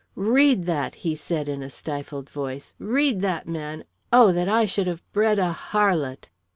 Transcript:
"'Read that!' he said, in a stifled voice. 'Read that, man! Oh, that I should have bred a harlot!'